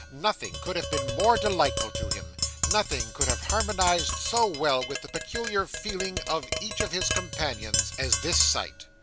Nothing could have been more delightful to him nothing could have harmonised so well with the peculiar feeling of each of his companions as this sight.